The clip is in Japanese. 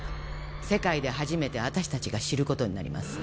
世界で初めて私達が知ることになります